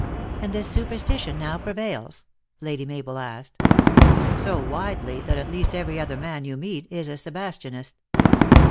"" And this superstition now prevails?" Lady Mabel asked. " So widely, that at least every other man you meet is a Sebastianist."